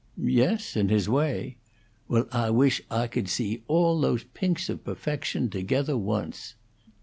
"Yes; in his way." "Well, Ah wish Ah could see all those pinks of puffection togethah, once."